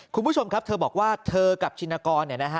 คุณผู้ชมครับเธอบอกว่าเธอกับชินกรเนี่ยนะฮะ